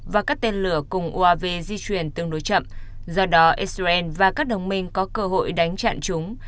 và các tên lửa cùng uav di truyền tương đối chậm do đó israel và các đồng minh có cơ hội đánh chặn chúng